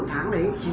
đây thuốc bôi đây tí